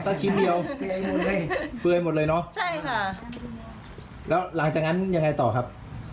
ชิ้นเดียวเปลือยหมดเลยเนอะใช่ค่ะแล้วหลังจากนั้นยังไงต่อครับ